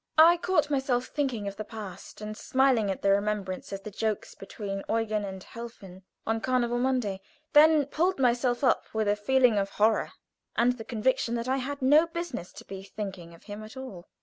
I caught myself thinking of the past and smiling at the remembrance of the jokes between Eugen and Helfen on Carnival Monday, then pulled myself up with a feeling of horror, and the conviction that I had no business to be thinking of him at all.